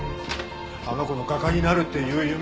あの子の画家になるっていう夢